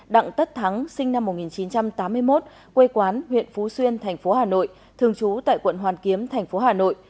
đặng tất thắng sinh năm một nghìn chín trăm tám mươi một quê quán huyện phú xuyên tp hà nội thường trú tại quận hoàn kiếm tp hà nội